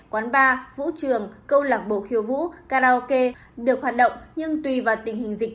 quán bar vũ trường câu lạc bộ khiêu vũ karaoke được hoạt động nhưng tùy vào tình hình dịch